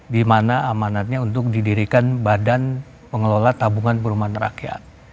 di mana amanatnya untuk didirikan badan pengelola tabungan perumahan rakyat